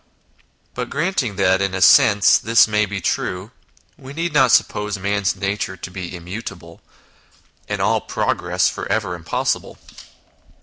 But granting that, in a sense, this may be true, we need not suppose man's nature to be im mutable, and all progress for ever impossible.